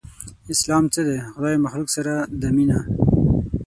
اسلام څه دی؟ خدای مخلوق سره ده مينه